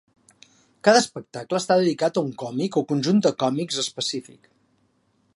Cada espectacle està dedicat a un còmic o conjunt de còmics específic.